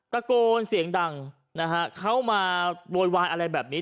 ตะโกนเสียงดังนะฮะเข้ามาโวยวายอะไรแบบนี้